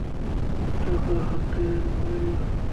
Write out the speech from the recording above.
টাকা হাতের ময়লা।